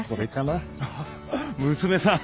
娘さん！